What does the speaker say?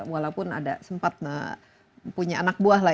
walaupun ada sempat punya anak buah lah